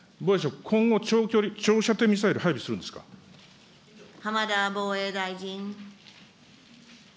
防衛省、今後、射程ミサイル、浜田防衛大臣。